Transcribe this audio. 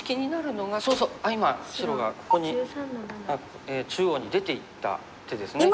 今白がここに中央に出ていった手ですね。